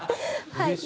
うれしい！